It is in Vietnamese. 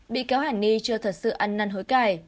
bị cáo hàn ni chưa thật sự ăn năn hối cải